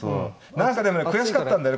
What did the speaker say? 何かでもね悔しかったんだよね。